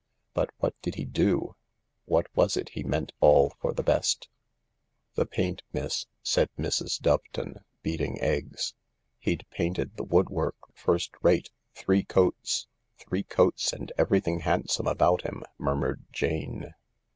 " But what did he do ? What was it he meant all for the best ?" D 50 THE LARK "The paint, miss," said Mrs, Doveton, beating eggs. "He'd painted the woodwork first rate, three coats." "Three coats, and everything handsome about him," murmured Jane.